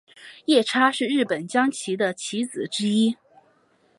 夜叉是日本将棋的棋子之一。